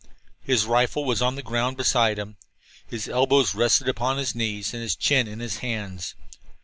His rifle was on the ground beside him. His elbows rested upon his knees, and his chin in his hands.